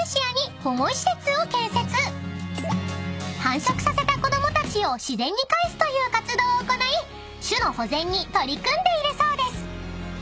［繁殖させた子供たちを自然に返すという活動を行い種の保全に取り組んでいるそうです］